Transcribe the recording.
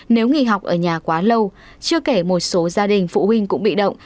nếu nghỉ học ở nhà quá lâu chưa kể một số gia đình phụ huynh cũng bị động